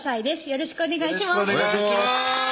よろしくお願いします